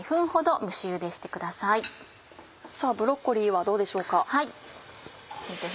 さぁブロッコリーはどうでしょうか？